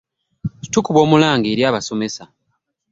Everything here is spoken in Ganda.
Tukuba omulanga eri abasomesa.